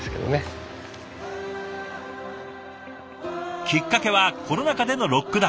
きっかけはコロナ禍でのロックダウン。